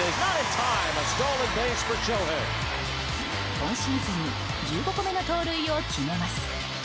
今シーズン１５個目の盗塁を決めます。